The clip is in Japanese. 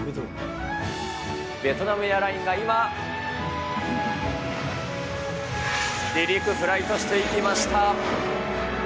ベトナムエアラインが今、離陸、フライトしていきました。